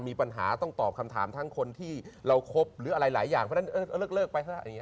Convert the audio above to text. มีปัญหาต้องตอบคำถามทั้งคนที่เราคบหรืออะไรหลายอย่างเพราะฉะนั้นเลิกไปซะอย่างนี้